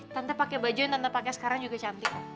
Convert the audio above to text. tante pakai baju yang tante pakai sekarang juga cantik